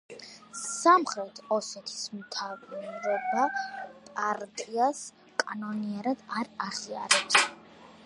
სამხრეთ ოსეთის მთავრობა პარტიას კანონიერად არ აღიარებს.